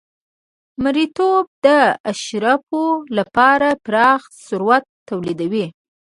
مریتوب د اشرافو لپاره پراخ ثروت تولیدوي.